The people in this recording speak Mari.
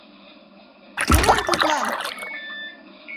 — Кӧлан тудлан?